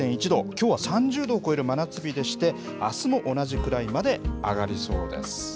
きょうは３０度を超える真夏日でして、あすも同じくらいまで上がりそうです。